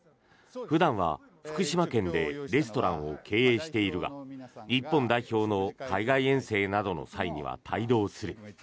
普段は福島県でレストランを経営しているが日本代表の海外遠征などの際には帯同する。